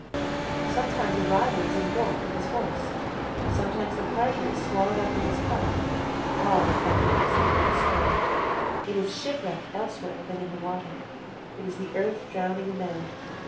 Sometimes a rider is engulfed with his horse; sometimes the carter is swallowed up with his cart; all founders in that strand. It is shipwreck elsewhere than in the water. It is the earth drowning a man.